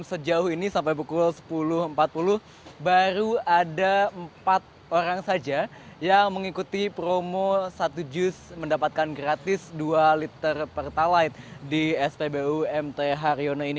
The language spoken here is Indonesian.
sejauh ini sampai pukul sepuluh empat puluh baru ada empat orang saja yang mengikuti promo satu jus mendapatkan gratis dua liter pertalite di spbu mt haryono ini